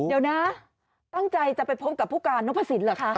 เดี๋ยวนะตั้งใจจะไปพบกับผู้การนพสินเหรอคะ